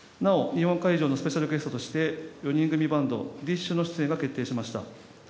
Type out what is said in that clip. なお、日本会場のスペシャルゲストとして４人組バンドＤＩＳＨ／／の出演が決定しました。